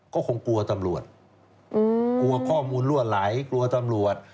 ก็คงกลัวตำรวจกลัวข้อมูลรั่วไหลกลัวตำรวจ